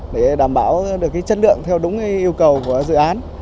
để đảm bảo được chất lượng theo đúng yêu cầu của dự án